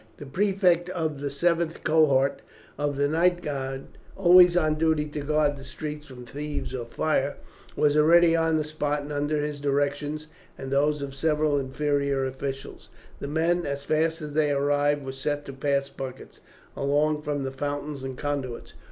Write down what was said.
The prefect of the 7th Cohort of the Night Guard, always on duty to guard the streets from thieves or fire, was already on the spot, and under his directions, and those of several inferior officials, the men, as fast as they arrived, were set to pass buckets along from the fountains and conduits.